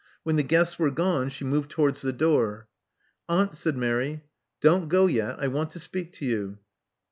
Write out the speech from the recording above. When the guests were gone, she moved towards the door. Aunt, said Mary, don't go yet I want to speak to you.'